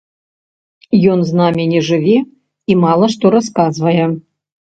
Ён з намі не жыве і мала што расказвае.